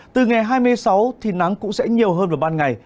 từ ngày hai mươi sáu thì nắng cũng sẽ nhiều hơn vào ban ngày